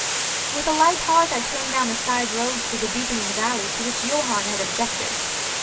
With a light heart I turned down the side road through the deepening valley to which Johann had objected.